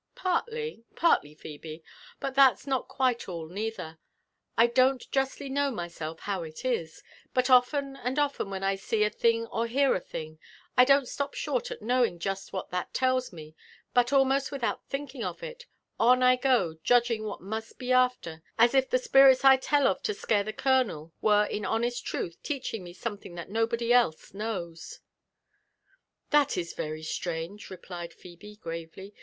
" Partly, par(ly, Phebe^but that's notquiteall neither. Idon*tjustly know myself how it is; but often andoften when I see a thing or hear a thing, I don't stop short at knowing just what that tells me, but, almost without thinking of it, on I go judging what must be after, as if the spirits I tell of to scare the colonel were in honest truth teaching me something that nobod y else knows. " "That is very strange," replied Phebe gravely.